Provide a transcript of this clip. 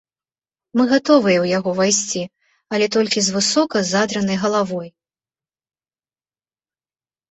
Мы гатовыя ў яго ўвайсці, але толькі з высока задранай галавой.